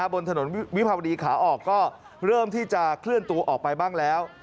บนถนนวิภาวดีขาออกก็เริ่มที่จะเคลื่อนตัวออกไปบ้างแล้ว